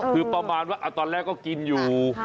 คือตอนแรกก็กินอยู่